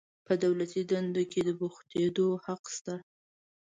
په دولتي دندو کې د بوختیدو حق شته.